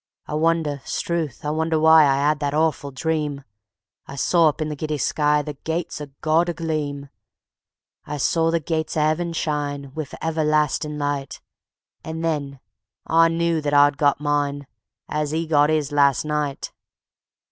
I wonder, 'struth, I wonder why I 'ad that 'orful dream? I saw up in the giddy sky The gates o' God agleam; I saw the gates o' 'eaven shine Wiv everlastin' light: And then ... I knew that I'd got mine, As 'e got 'is last night.